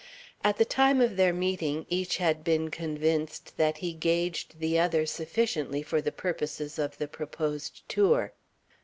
At the time of their meeting each had been convinced that he gauged the other sufficiently for the purposes of the proposed tour.